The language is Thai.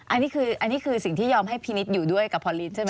อันนี้คือสิ่งที่ยอมให้พี่นิดอยู่ด้วยกับพอลลีนใช่ไหม